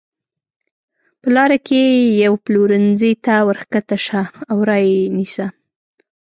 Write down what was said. په لاره کې یوې پلورنځۍ ته ورکښته شه او را یې نیسه.